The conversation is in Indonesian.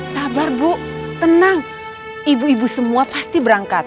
sabar bu tenang ibu ibu semua pasti berangkat